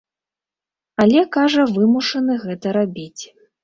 Але, кажа, вымушаны гэта рабіць.